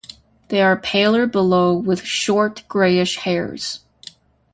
They are paler below, with short, grayish hairs.